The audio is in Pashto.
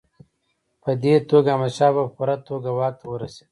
په دې توګه احمدشاه بابا په پوره توګه واک ته ورسېد.